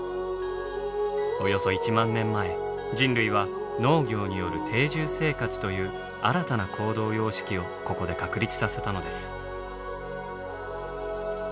およそ１万年前人類は農業による定住生活という新たな行動様式をここで確立させたのです。